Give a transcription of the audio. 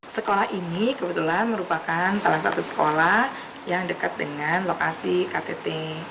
sekolah ini kebetulan merupakan salah satu sekolah yang dekat dengan lokasi ktt